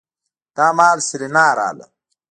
دا مهال سېرېنا راغله.